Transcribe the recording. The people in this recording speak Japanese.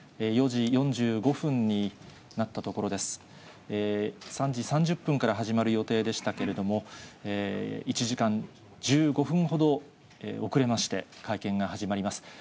３時３０分から始まる予定でしたけれども、１時間１５分ほど遅れまして、会見が始まります。